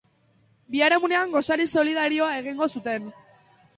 Biharamunean gosari solidarioa egingo zuten.